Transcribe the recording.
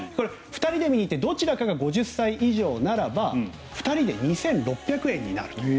２人で見に行ってどちらかが５０歳以上ならば２人で２６００円になる。